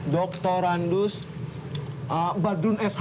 dokter randus badun sh